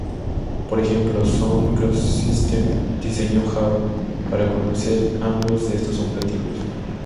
Por ejemplo, Sun Microsystems diseñó Java para conocer ambos de estos objetivos.